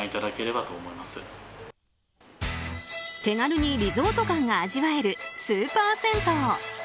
手軽にリゾート感が味わえるスーパー銭湯。